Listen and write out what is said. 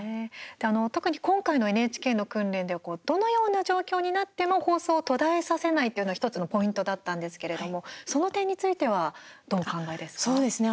特に今回のＮＨＫの訓練ではどのような状況になっても放送を途絶えさせないというのが１つのポイントだったんですけれどもその点についてはどうお考えですか。